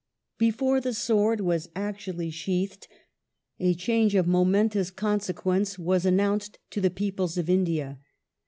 Before the sword was actually sheathed, a change of momentous End of consequence was announced to the peoples of India.